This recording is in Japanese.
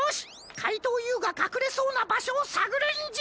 かいとうＵがかくれそうなばしょをさぐるんじゃ！